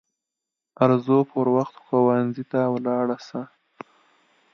ارزو پر وخت ښوونځي ته ولاړه سه